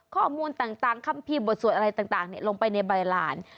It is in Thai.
ข้อมูลต่างคัมภีร์บทสวดอะไรต่างลงไปในใบหลาน